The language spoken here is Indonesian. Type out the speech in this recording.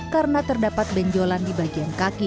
karena terdapat benjolan di bagian kaki